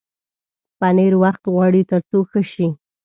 پنېر وخت غواړي تر څو ښه شي.